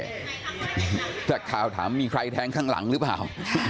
นักข่าวถามมีใครแทงข้างหลังหรือเปล่า